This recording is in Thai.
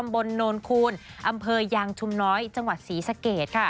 ตำบลนนท์คูลอำเภยางชุมน้อยจังหวัดศรีสะเกด